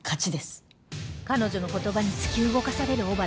彼女の言葉に突き動かされる小原